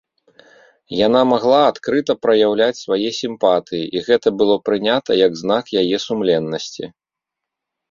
Яна магла адкрыта праяўляць свае сімпатыі, і гэта было прынята як знак яе сумленнасці.